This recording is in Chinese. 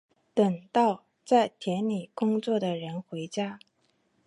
等到在田里工作的人回家